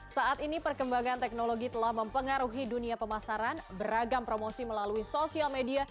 saat ini perkembangan teknologi telah mempengaruhi dunia pemasaran beragam promosi melalui sosial media